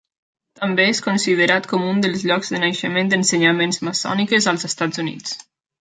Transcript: També és considerat com un dels llocs de naixement d'ensenyaments maçòniques als Estats Units.